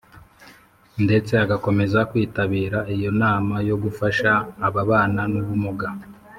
ndetse agakomeza kwitabira iyo nama yo gufasha ababana nubumuga,